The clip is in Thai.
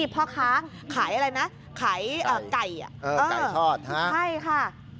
พี่พ่อค้าขายอะไรนะขายอ่าไก่อ่าเออไก่ทอดฮะใช่ค่ะ